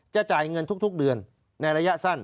จ่ายเงินทุกเดือนในระยะสั้น